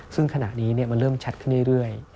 ซึ่งขณะนี้มันเริ่มชัดขึ้นเรื่อย